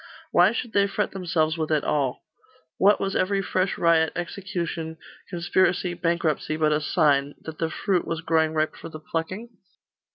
Why should they fret themselves with it all? What was every fresh riot, execution, conspiracy, bankruptcy, but a sign that the fruit was growing ripe for the plucking?